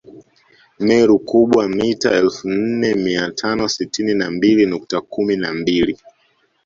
Meru Kubwa mita elfu nne mia tano sitini na mbili nukta kumi na mbili